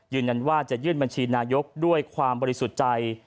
ยืนยันว่าจะยื่นบัญชีนายกด้วยความบริสุทธิ์ใจ